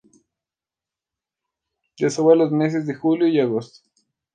Desova los meses de julio y agosto.